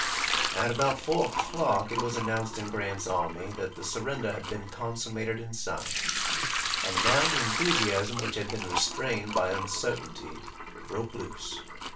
At about four o'clock it was announced in Grant's army that the surrender had been consummated and signed. And now the enthusiasm which had been restrained by uncertainty broke loose.